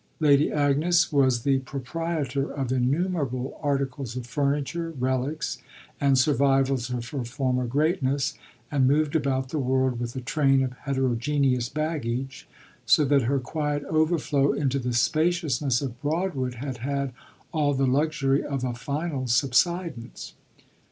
Lady Agnes was the proprietor of innumerable articles of furniture, relics and survivals of her former greatness, and moved about the world with a train of heterogeneous baggage; so that her quiet overflow into the spaciousness of Broadwood had had all the luxury of a final subsidence.